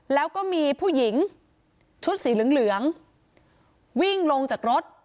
แล้วก็มีผู้หญิงชุดสีเหลืองวิ่งลงจากรถ